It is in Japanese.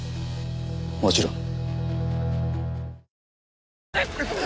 もちろん。